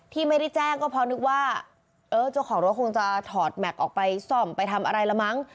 ที่ไม่ได้แจ้งก็เพราะนึกว่าเออเจ้าของรถคงจะถอดแม็กซ์ออกไปซ่อมไปทำอะไรละมั้ง